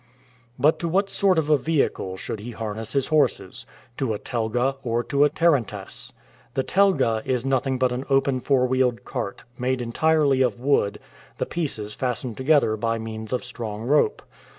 But to what sort of a vehicle should he harness his horses? To a telga or to a tarantass? The telga is nothing but an open four wheeled cart, made entirely of wood, the pieces fastened together by means of strong rope.